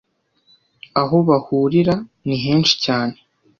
aho bahurira ni henshi cyane